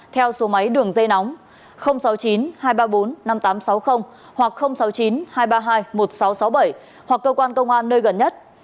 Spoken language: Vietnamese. theo số máy đường dây nóng sáu mươi chín hai trăm ba mươi bốn năm nghìn tám trăm sáu mươi hoặc sáu mươi chín hai trăm ba mươi hai một nghìn sáu trăm sáu mươi bảy hoặc cơ quan công an nơi gần nhất